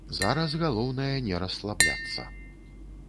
Зараз галоўнае не расслабляцца.